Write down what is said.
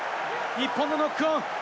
日本のノックオン！